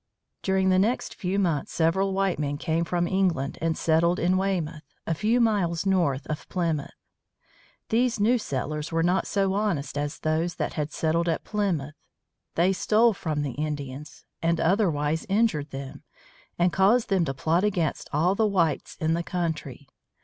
During the next few months several white men came from England and settled at Weymouth, a few miles north of Plymouth. These new settlers were not so honest as those that had settled at Plymouth. They stole from the Indians and otherwise injured them, and caused them to plot against all the whites in the country.